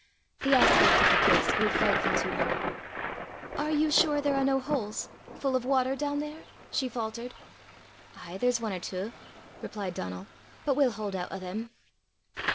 The aspect of the place grew frightful to her. "Are you sure there are no holes full of water, down there?" she faltered. "Ay, there's ane or twa," replied Donal, "but we'll haud oot o' them."